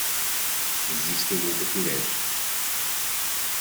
Existem muitas mulheres